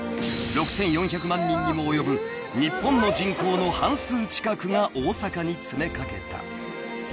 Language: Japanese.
［６，４００万人にも及ぶ日本の人口の半数近くが大阪に詰め掛けた］